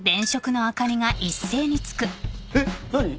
えっ何？